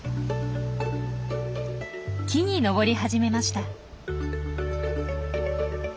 木に登り始めました。